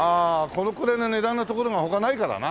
このくらいの値段の所が他ないからな。